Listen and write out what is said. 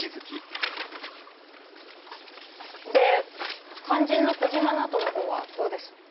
で肝心の小嶋尚人の方はどうです？